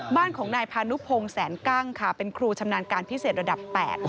บ้านของนายพานุพงศ์แสนกั้งค่ะเป็นครูชำนาญการพิเศษระดับ๘